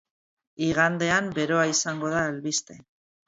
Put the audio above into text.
Igandean beroa izango da albiste.